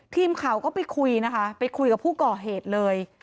ทีมข่าวก็ไปคุยนะคะไปคุยกับผู้ก่อเหตุเลย